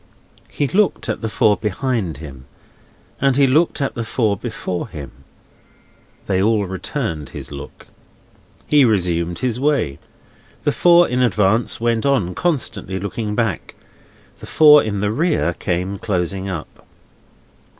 He looked at the four behind him, and he looked at the four before him. They all returned his look. He resumed his way. The four in advance went on, constantly looking back; the four in the rear came closing up.